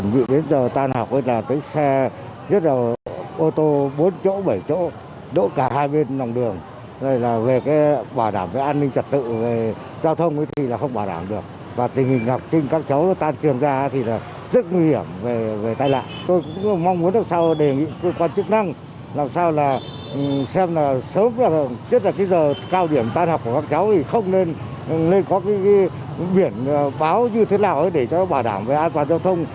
và xem là sớm trước là cái giờ cao điểm tắt học của các cháu thì không nên có cái biển báo như thế nào để cho bảo đảm về an toàn giao thông